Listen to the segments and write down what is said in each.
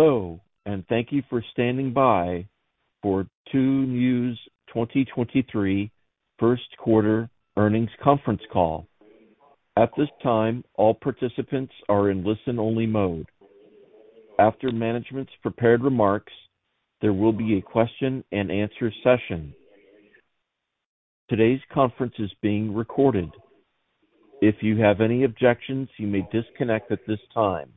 Hello. Thank you for standing by for Tuniu's 2023 First Quarter Earnings Conference Call. At this time, all participants are in listen-only mode. After management's prepared remarks, there will be a question and answer session. Today's conference is being recorded. If you have any objections, you may disconnect at this time.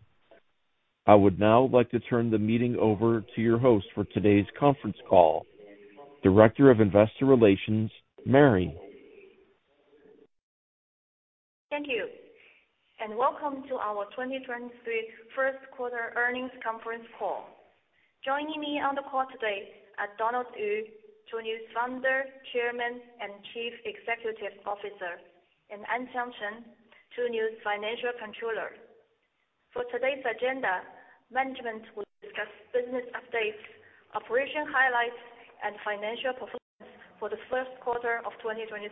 I would now like to turn the meeting over to your host for today's conference call, Director of Investor Relations, Mary. Thank you. Welcome to our 2023 First Quarter Earnings Conference Call. Joining me on the call today are Donald Yu, Tuniu's Founder, Chairman, and Chief Executive Officer, and Anqiang Chen, Tuniu's Financial Controller. For today's agenda, management will discuss business updates, operation highlights, and financial performance for the first quarter of 2023.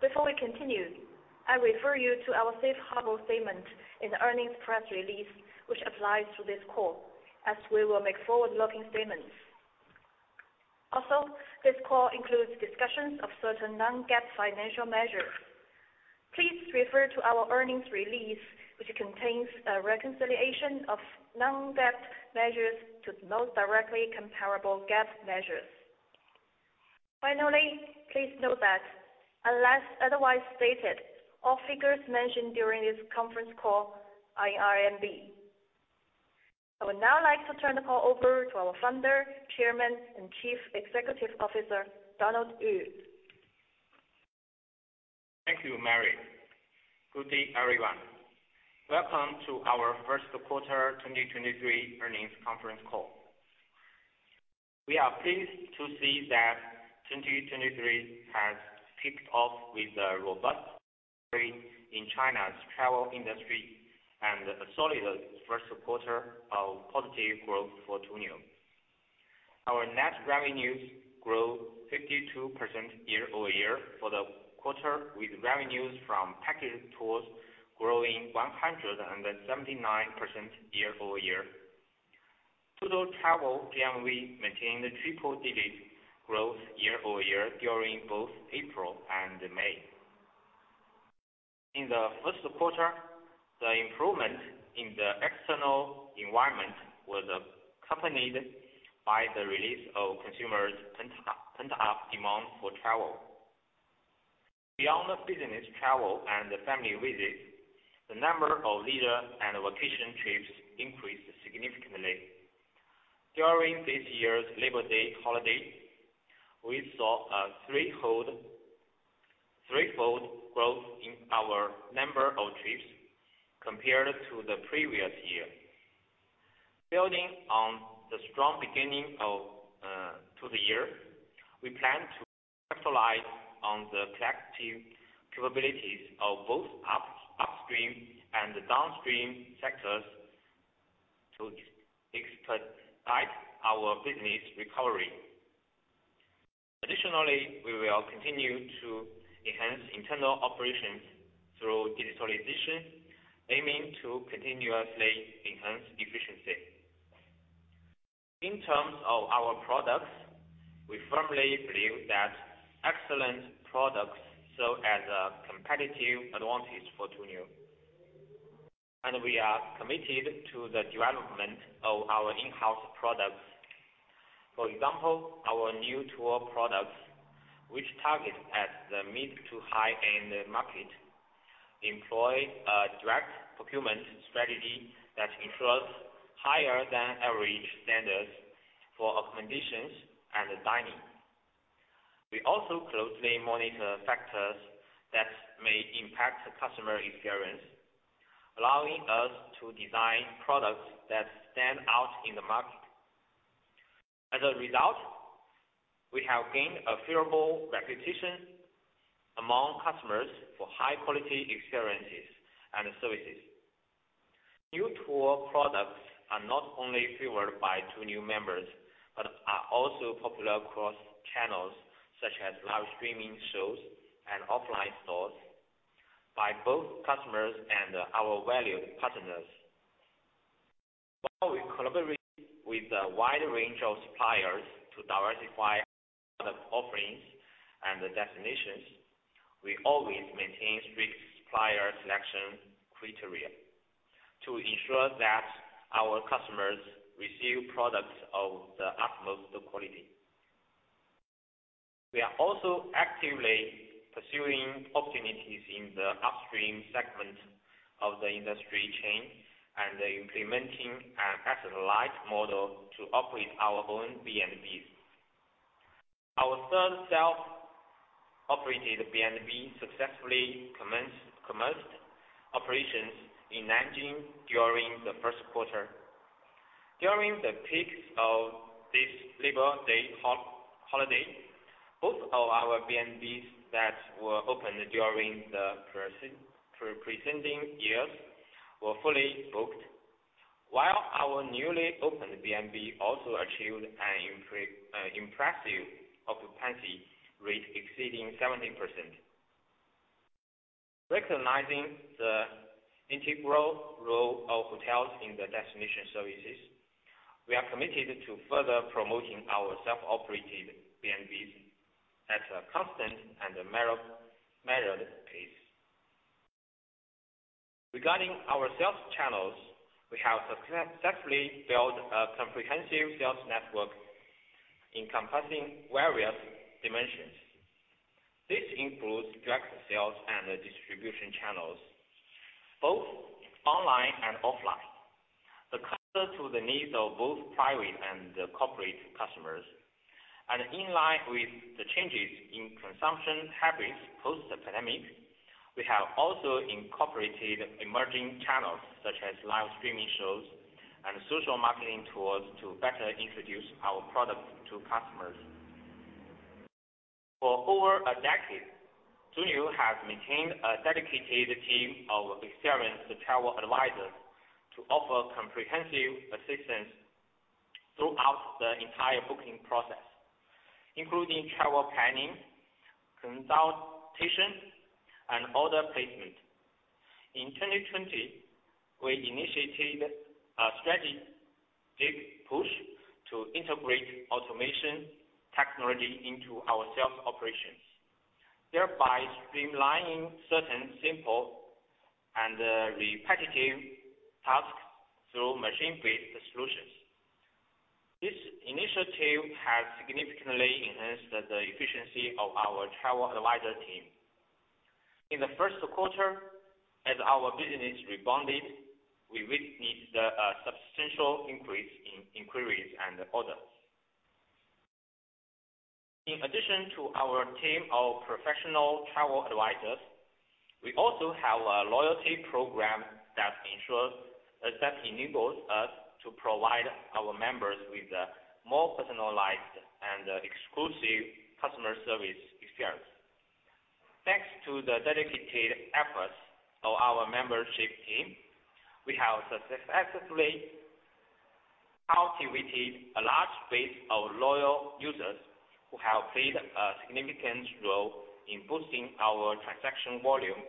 Before we continue, I refer you to our safe harbor statement in the earnings press release, which applies to this call, as we will make forward-looking statements. This call includes discussions of certain non-GAAP financial measures. Please refer to our earnings release, which contains a reconciliation of non-GAAP measures to the most directly comparable GAAP measures. Please note that unless otherwise stated, all figures mentioned during this conference call are in RMB. I would now like to turn the call over to our Founder, Chairman, and Chief Executive Officer, Donald Yu. Thank you, Mary. Good day, everyone. Welcome to our First Quarter 2023 Earnings Conference Call. We are pleased to see that 2023 has kicked off with a robust recovery in China's travel industry and a solid first quarter of positive growth for Tuniu. Our net revenues grew 52% year-over-year for the quarter, with revenues from package tours growing 179% year-over-year. Total travel GMV maintained a triple-digit growth year-over-year during both April and May. In the first quarter, the improvement in the external environment was accompanied by the release of consumers' pent-up demand for travel. Beyond the business travel and the family visits, the number of leisure and vacation trips increased significantly. During this year's Labor Day holiday, we saw a threefold growth in our number of trips compared to the previous year. Building on the strong beginning of to the year, we plan to capitalize on the collective capabilities of both upstream and downstream sectors to expedite our business recovery. Additionally, we will continue to enhance internal operations through digitalization, aiming to continuously enhance efficiency. In terms of our products, we firmly believe that excellent products serve as a competitive advantage for Tuniu, and we are committed to the development of our in-house products. For example, our Niu Tour products, which target at the mid-to-high-end market, employ a direct procurement strategy that ensures higher than average standards for accommodations and dining. We also closely monitor factors that may impact the customer experience, allowing us to design products that stand out in the market. As a result, we have gained a favorable reputation among customers for high quality experiences and services. Niu tour products are not only favored by Tuniu members, but are also popular across channels such as live streaming shows and offline stores by both customers and our valued partners. While we collaborate with a wide range of suppliers to diversify product offerings and destinations, we always maintain strict supplier selection criteria to ensure that our customers receive products of the utmost quality. We are also actively pursuing opportunities in the upstream segment of the industry chain and implementing an asset-light model to operate our own B&Bs. Our third self-operated B&B successfully commenced operations in Nanjing during the first quarter. During the peak of this Labor Day holiday, both of our B&Bs that were opened during the preceding years were fully booked, while our newly opened B&B also achieved an impressive occupancy rate exceeding 70%. Recognizing the integral role of hotels in the destination services, we are committed to further promoting our self-operated B&Bs at a constant and a measured pace. Regarding our sales channels, we have successfully built a comprehensive sales network encompassing various dimensions. This includes direct sales and distribution channels, both online and offline. The cater to the needs of both private and corporate customers. In line with the changes in consumption habits post the pandemic, we have also incorporated emerging channels such as live streaming shows and social marketing tools to better introduce our products to customers. For over a decade, Tuniu has maintained a dedicated team of experienced travel advisors to offer comprehensive assistance throughout the entire booking process, including travel planning, consultation, and order placement. In 2020, we initiated a strategic push to integrate automation technology into our sales operations, thereby streamlining certain simple and repetitive tasks through machine-based solutions. This initiative has significantly enhanced the efficiency of our travel advisor team. In the first quarter, as our business rebounded, we witnessed a substantial increase in inquiries and orders. In addition to our team of professional travel advisors, we also have a loyalty program that ensures that enables us to provide our members with a more personalized and exclusive customer service experience. Thanks to the dedicated efforts of our membership team, we have successfully cultivated a large base of loyal users who have played a significant role in boosting our transaction volume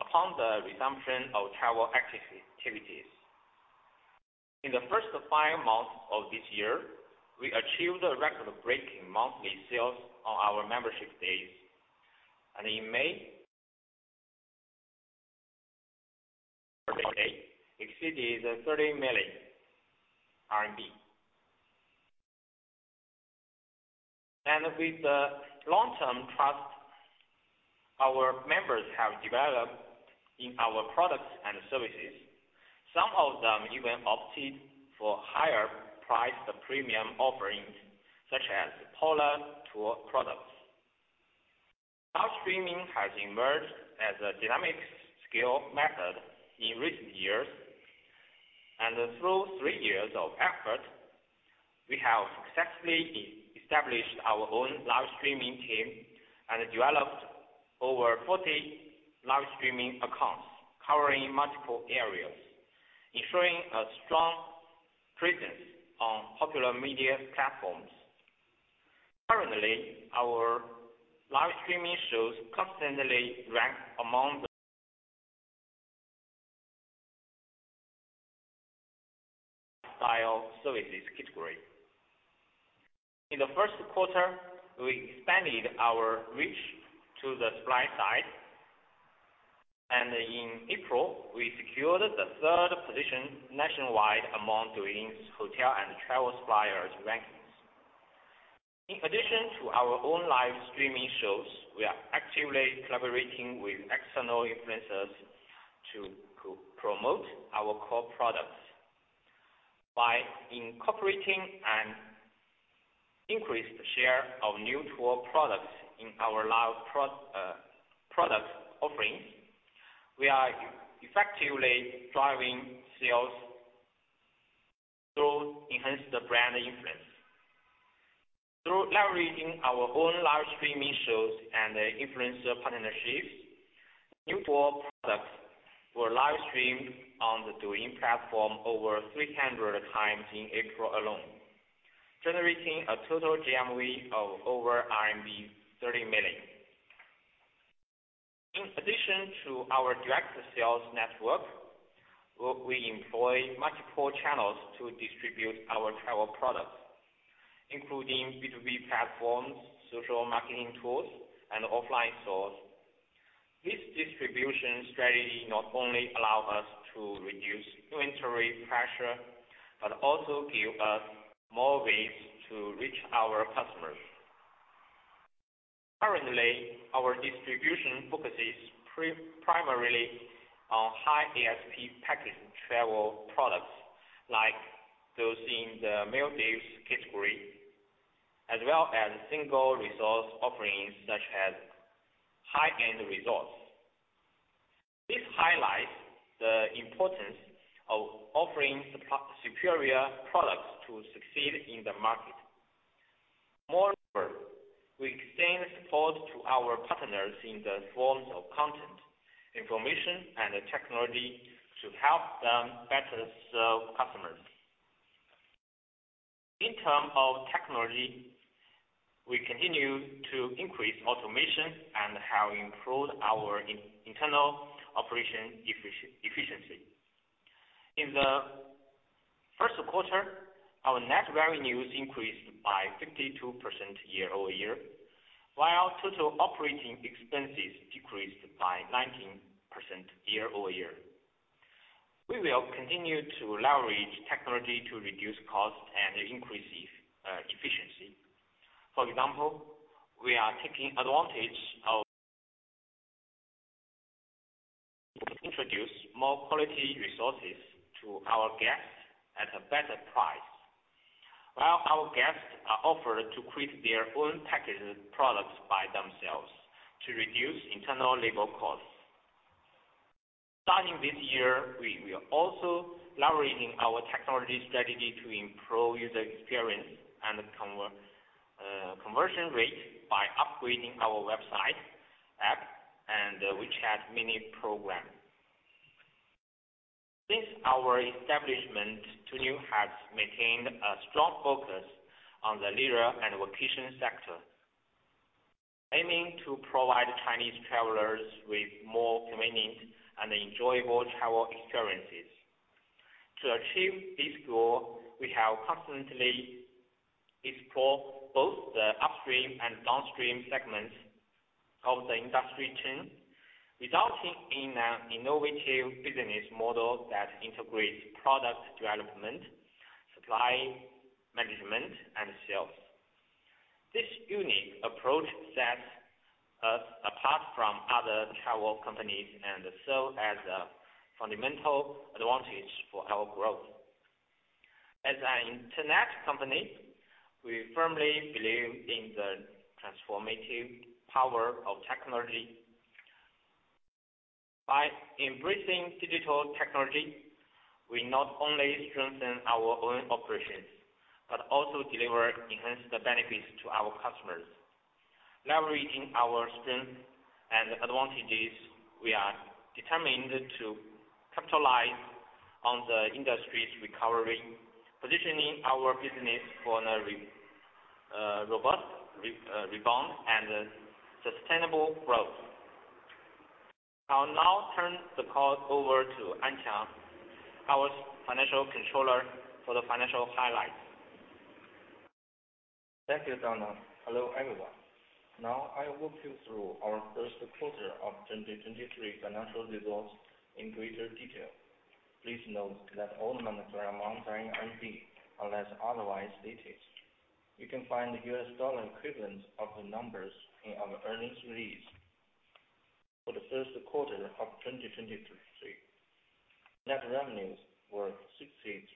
upon the resumption of travel activities. In the first five months of this year, we achieved a record-breaking monthly sales on our membership days. In May, exceeded RMB 30 million. With the long-term trust, our members have developed in our products and services. Some of them even opted for higher priced premium offerings, such as polar tour products. Live streaming has emerged as a dynamic skill method in recent years, and through three years of effort, we have successfully established our own live streaming team and developed over 40 live streaming accounts covering multiple areas, ensuring a strong presence on popular media platforms. Currently, our live streaming shows constantly rank among the style services category. In the first quarter, we expanded our reach to the supply side, and in April, we secured the third position nationwide among Douyin's hotel and travel suppliers rankings. In addition to our own live streaming shows, we are actively collaborating with external influencers to promote our core products. By incorporating an increased share of Niu Tour products in our live product offerings, we are effectively driving sales through enhanced brand influence. Through leveraging our own live streaming shows and influencer partnerships, Niu Tour products were live streamed on the Douyin platform over 300 times in April alone, generating a total GMV of over RMB 30 million. In addition to our direct sales network, we employ multiple channels to distribute our travel products, including B2B platforms, social marketing tools, and offline stores. This distribution strategy not only allow us to reduce inventory pressure, but also give us more ways to reach our customers. Currently, our distribution focuses primarily on high ASP package travel products, like those in the Maldives category, as well as single resource offerings such as high-end resorts. This highlights the importance of offering superior products to succeed in the market. Moreover, we extend support to our partners in the forms of content, information, and technology to help them better serve. In terms of technology, we continue to increase automation and have improved our internal operation efficiency. In the first quarter, our net revenues increased by 52% year-over-year, while total operating expenses decreased by 19% year-over-year. We will continue to leverage technology to reduce costs and increase efficiency. For example, we are taking advantage of introduce more quality resources to our guests at a better price, while our guests are offered to create their own packaged products by themselves to reduce internal labor costs. Starting this year, we are also leveraging our technology strategy to improve user experience and conversion rate by upgrading our website, app, and WeChat Mini Program. Since our establishment, Tuniu has maintained a strong focus on the leisure and vacation sector, aiming to provide Chinese travelers with more convenient and enjoyable travel experiences. To achieve this goal, we have constantly explore both the upstream and downstream segments of the industry chain, resulting in an innovative business model that integrates product development, supply, management, and sales. This unique approach sets us apart from other travel companies and serves as a fundamental advantage for our growth. As an internet company, we firmly believe in the transformative power of technology. By embracing digital technology, we not only strengthen our own operations, but also deliver enhanced benefits to our customers. Leveraging our strength and advantages, we are determined to capitalize on the industry's recovery, positioning our business for a robust rebound and sustainable growth. I'll now turn the call over to Anqiang, our Financial Controller, for the financial highlights. Thank you, Donald. Hello, everyone. Now, I'll walk you through our first quarter of 2023 financial results in greater detail. Please note that all monetary amounts are in RMB, unless otherwise stated. You can find the U.S. dollar equivalent of the numbers in our earnings release. For the first quarter of 2023, net revenues were 63.2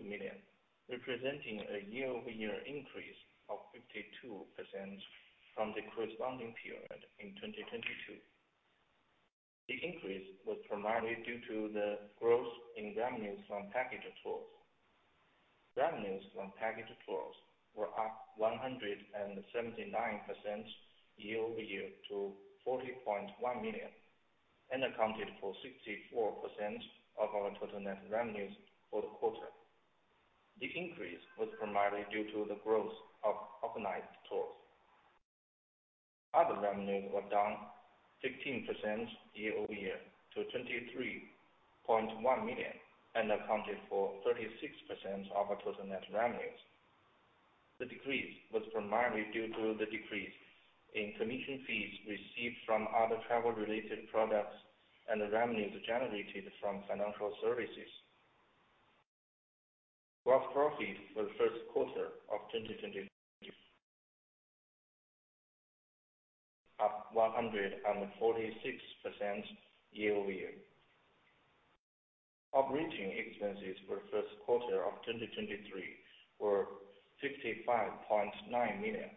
million, representing a year-over-year increase of 52% from the corresponding period in 2022. The increase was primarily due to the growth in revenues from packaged tours. Revenues from packaged tours were up 179% year-over-year to 40.1 million, and accounted for 64% of our total net revenues for the quarter. The increase was primarily due to the growth of organized tours. Other revenues were down 16% year-over-year to 23.1 million, and accounted for 36% of our total net revenues. The decrease was primarily due to the decrease in commission fees received from other travel-related products and the revenues generated from financial services. Gross profit for the first quarter of 2023, up 146% year-over-year. Operating expenses for the first quarter of 2023 were 55.9 million,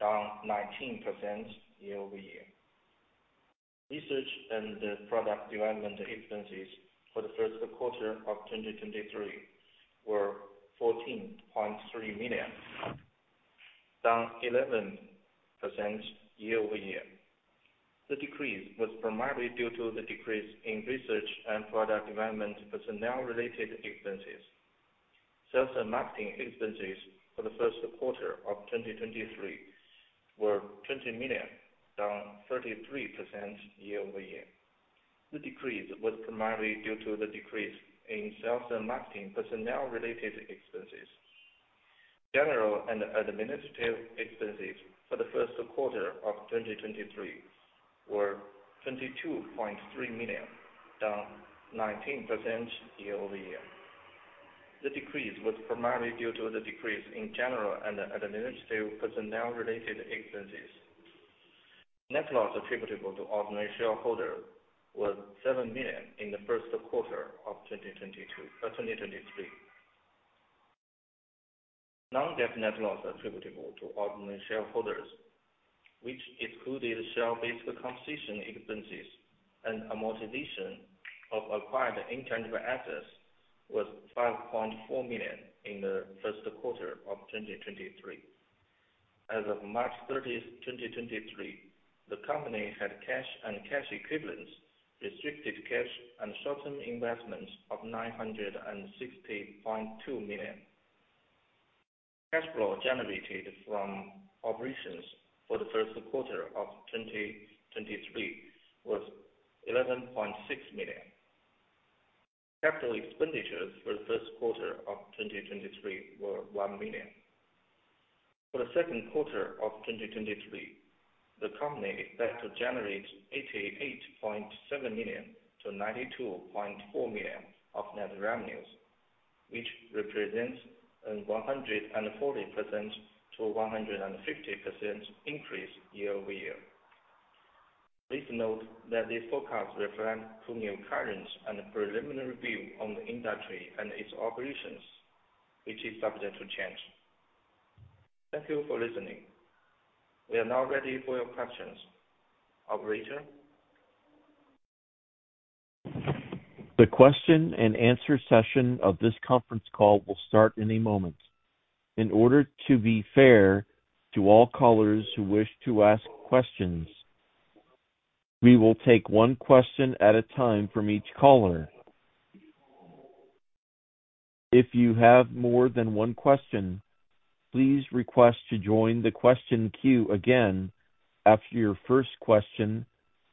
down 19% year-over-year. Research and product development expenses for the first quarter of 2023 were 14.3 million, down 11% year-over-year. The decrease was primarily due to the decrease in research and product development personnel-related expenses. Sales and marketing expenses for the first quarter of 2023 were 20 million, down 33% year-over-year. The decrease was primarily due to the decrease in sales and marketing personnel-related expenses. General and administrative expenses for the first quarter of 2023 were 22.3 million, down 19% year-over-year. The decrease was primarily due to the decrease in general and administrative personnel-related expenses. Net loss attributable to ordinary shareholders was 7 million in the first quarter of 2023. Non-GAAP net loss attributable to ordinary shareholders, which included share-based compensation expenses and amortization of acquired intangible assets, was 5.4 million in the first quarter of 2023. As of March 31st, 2023, the company had cash and cash equivalents, restricted cash and short-term investments of 960.2 million. Cash flow generated from operations for the first quarter of 2023 was 11.6 million. Capital expenditures for the first quarter of 2023 were 1 million. For the second quarter of 2023, the company expects to generate 88.7 million-92.4 million of net revenues, which represents a 140%-150% increase year-over-year. Please note that this forecast reflects Tuniu current and preliminary view on the industry and its operations, which is subject to change. Thank you for listening. We are now ready for your questions. Operator? The question and answer session of this conference call will start in a moment. In order to be fair to all callers who wish to ask questions, we will take one question at a time from each caller. If you have more than one question, please request to join the question queue again after your first question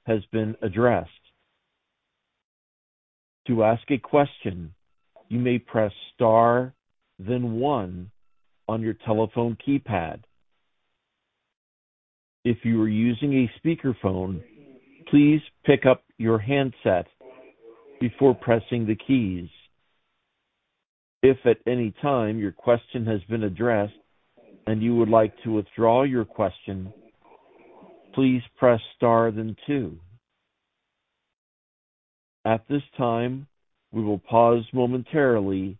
has been addressed. To ask a question, you may press star, then one on your telephone keypad. If you are using a speakerphone, please pick up your handset before pressing the keys. If at any time your question has been addressed and you would like to withdraw your question, please press star, then two. At this time, we will pause momentarily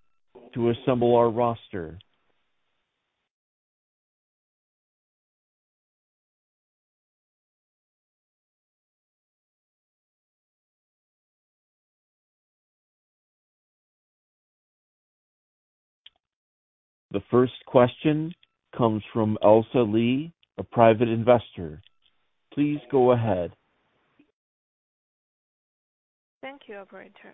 to assemble our roster. The first question comes from Elsa Lee, a private investor. Please go ahead. Thank you, operator.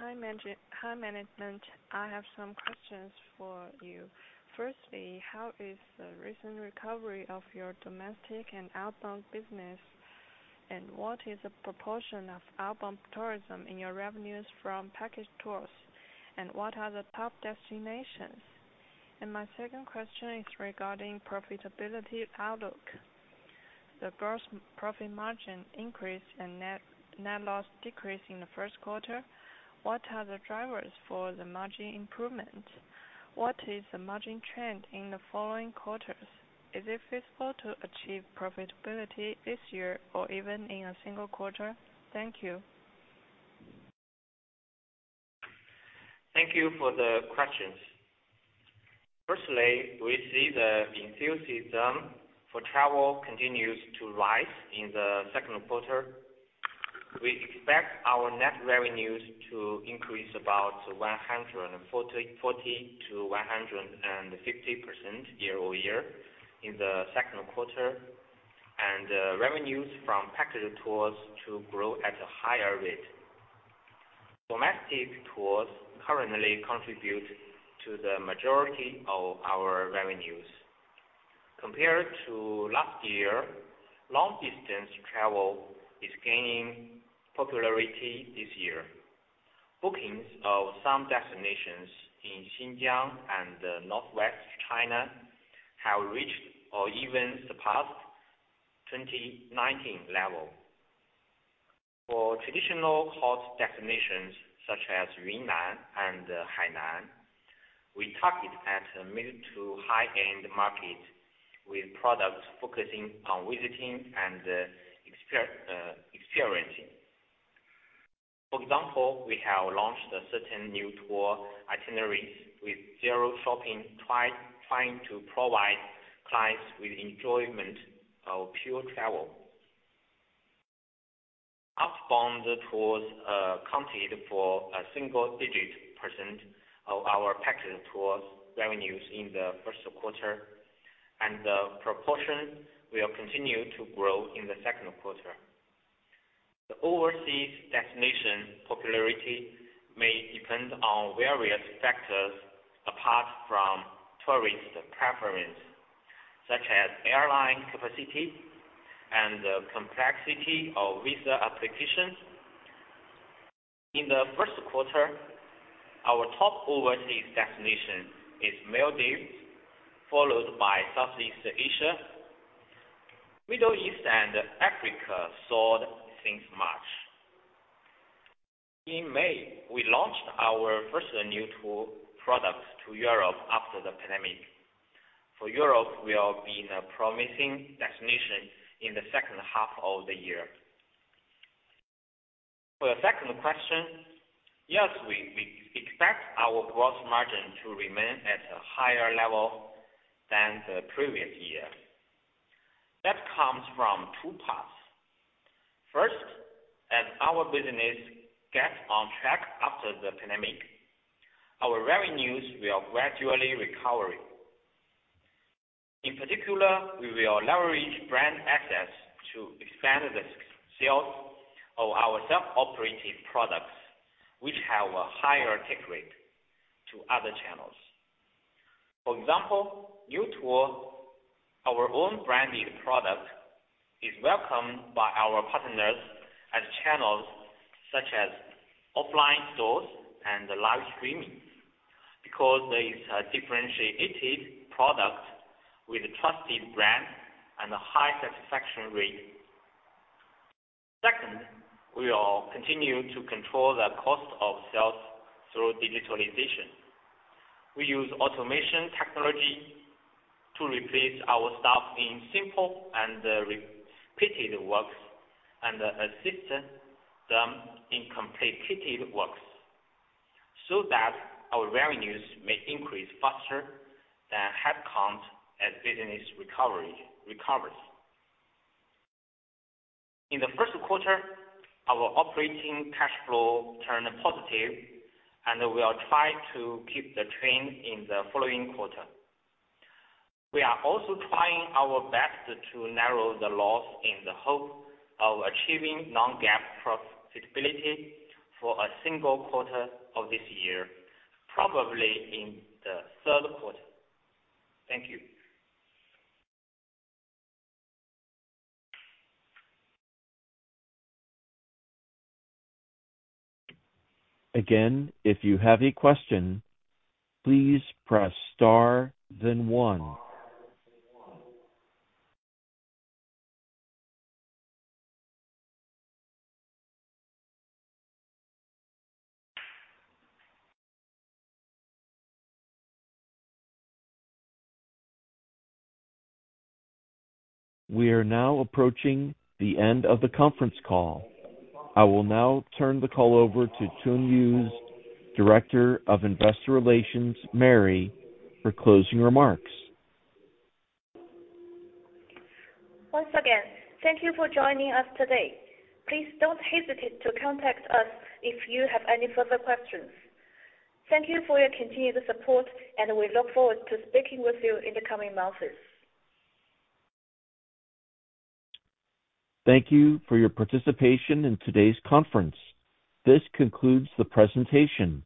Hi, management. I have some questions for you. Firstly, how is the recent recovery of your domestic and outbound business? What is the proportion of outbound tourism in your revenues from package tours? What are the top destinations? My second question is regarding profitability outlook. The gross profit margin increase and net loss decrease in the first quarter, what are the drivers for the margin improvements? What is the margin trend in the following quarters? Is it feasible to achieve profitability this year or even in a single quarter? Thank you. Thank you for the questions. Firstly, we see the enthusiasm for travel continues to rise in the second quarter. We expect our net revenues to increase about 140%-150% year-over-year in the second quarter, and revenues from package tours to grow at a higher rate. Domestic tours currently contribute to the majority of our revenues. Compared to last year, long-distance travel is gaining popularity this year. Bookings of some destinations in Xinjiang and Northwest China have reached or even surpassed 2019 level. For traditional hot destinations, such as Yunnan and Hainan, we target at a mid-to-high-end market with products focusing on visiting and experiencing. For example, we have launched a certain Niu Tour itineraries with zero shopping, trying to provide clients with enjoyment of pure travel. Outbound tours accounted for a single-digit % of our package tours revenues in the first quarter. The proportion will continue to grow in the second quarter. The overseas destination popularity may depend on various factors apart from tourist preference, such as airline capacity and the complexity of visa applications. In the first quarter, our top overseas destination is Maldives, followed by Southeast Asia. Middle East and Africa soared since March. In May, we launched our first Niu Tour products to Europe after the pandemic. Europe will be in a promising destination in the second half of the year. The second question, yes, we expect our gross margin to remain at a higher level than the previous year. That comes from two parts. First, as our business gets on track after the pandemic, our revenues will gradually recovery. In particular, we will leverage brand access to expand the sales of our self-operated products, which have a higher take rate to other channels. For Niu Tour, our own branded product, is welcomed by our partners as channels such as offline stores and live streaming, because it's a differentiated product with a trusted brand and a high satisfaction rate. Second, we will continue to control the cost of sales through digitalization. We use automation technology to replace our staff in simple and repeated works, and assist them in complicated works, so that our revenues may increase faster than headcount as business recovery, recovers. In the first quarter, our operating cash flow turned positive, and we will try to keep the trend in the following quarter. We are also trying our best to narrow the loss in the hope of achieving non-GAAP profitability for a single quarter of this year, probably in the third quarter. Thank you. Again, if you have a question, please press star then one. We are now approaching the end of the conference call. I will now turn the call over to Tuniu's Director of Investor Relations, Mary, for closing remarks. Once again, thank you for joining us today. Please don't hesitate to contact us if you have any further questions. Thank you for your continued support, and we look forward to speaking with you in the coming months. Thank you for your participation in today's conference. This concludes the presentation.